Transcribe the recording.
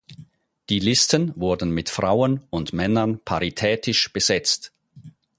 Die Listen wurden mit Frauen und Männern paritätisch besetzt.